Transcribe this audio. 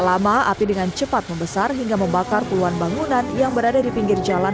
lama api dengan cepat membesar hingga membakar puluhan bangunan yang berada di pinggir jalan